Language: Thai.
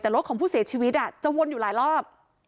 แต่รถของผู้เสียชีวิตจะวนอยู่หลายรอบ